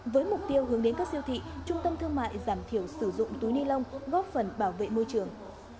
với mục tiêu hướng đến các siêu thị trung tâm thương mại giảm thiểu sử dụng túi ni lông